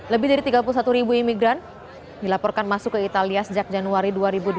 lebih dari tiga puluh satu ribu imigran dilaporkan masuk ke italia sejak januari dua ribu dua puluh